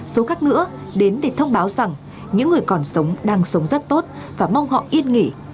số khác nữa đến để thông báo rằng những người còn sống đang sống rất tốt và mong họ yên nghỉ